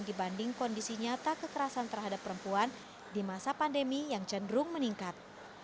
dibanding kondisi nyata kekerasan terhadap perempuan di masa pandemi yang cenderung meningkat